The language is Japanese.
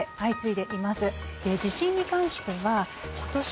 地震に関しては今年。